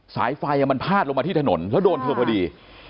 สายไฟมันพาดลงมาที่ถนนแล้วโดนเธอพอดี